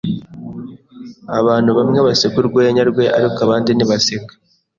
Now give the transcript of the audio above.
Abantu bamwe baseka urwenya rwe, ariko abandi ntibaseka.